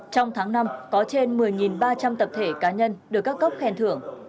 trong tháng năm có trên một mươi ba trăm linh tập thể cá nhân được các cấp khen thưởng